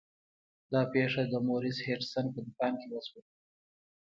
دا پیښه د مورس هډسن په دکان کې وشوه.